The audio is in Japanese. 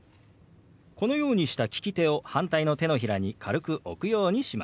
このようにした利き手を反対の手のひらに軽く置くようにします。